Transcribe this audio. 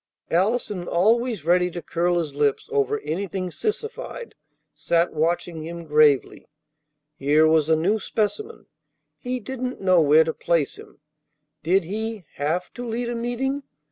Allison, always ready to curl his lips over anything sissified, sat watching him gravely. Here was a new specimen. He didn't know where to place him. Did he have to lead a meeting?